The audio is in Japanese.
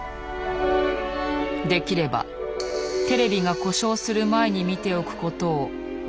できればテレビが故障する前に見ておくことをおすすめする。